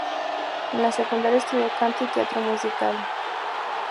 En la secundaria estudió canto y teatro musical.